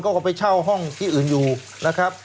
เขาก็ไปเช่าห้องที่อื่นอยู่นะครับ